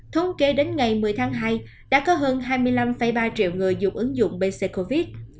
thống kê đến ngày một mươi tháng hai đã có hơn hai mươi năm ba triệu người dùng ứng dụng bc covid